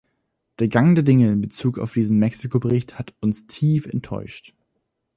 Der Gang der Dinge in bezug auf diesen Mexiko-Bericht hat uns tief enttäuscht.